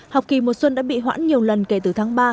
học kỳ mùa xuân đã bị hoãn nhiều lần kể từ tháng ba